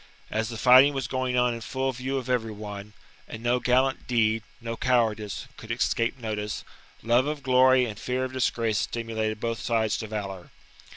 As the fighting was going on in full view of every one, and no gallant deed, no cowardice, could escape notice, love of glory and fear of disgrace stimulated both sides to valour.